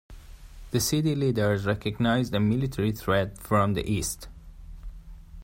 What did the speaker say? The city leaders recognized a military threat from the east.